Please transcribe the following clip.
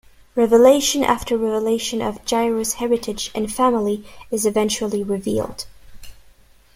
Revelation after revelation of Jiro's heritage and family is eventually revealed.